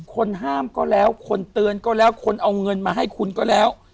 คนห้ามก็แล้วคนเตือนก็แล้วคนเอาเงินมาให้คุณก็แล้ว